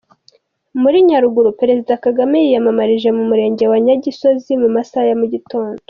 Muri Nyaruguru, perezida Kagame yiyamamarije mu Murenge wa Nyagisozi mu masaha ya mu gitondo.